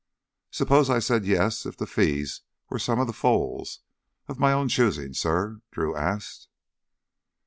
"Suppose I said yes if the fees were some of the foals—of my own choosing, suh?" Drew asked.